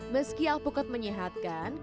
meski alpukat menyehatkan